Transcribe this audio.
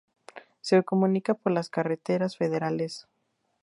Se comunica por la carreteras federales No.